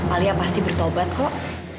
alia pasti bertobat kok